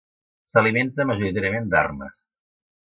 S'alimenta majoritàriament d'arnes.